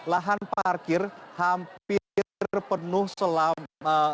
lahan parkir hampir penuh selama